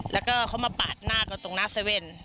แล้วก็เขามาปาดหน้ากันตรงหน้าเซเว่น